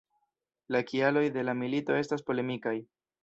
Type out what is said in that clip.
La kialoj de la milito estas polemikaj.